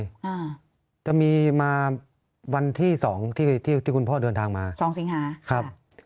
อ่าจะมีมาวันที่สองที่ที่คุณพ่อเดินทางมาสองสิงหาครับ